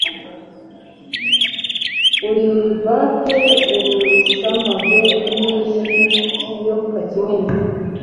uribate urusamagwe n'ikiyoka kinini